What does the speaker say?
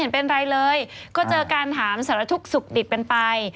ไม่เป็นไรเลยก็เจอการถามสารทุกข์สุขดิบกันไป